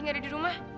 nggak ada di rumah